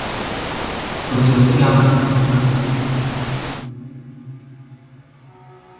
A subsidised bus provides free transport on the island.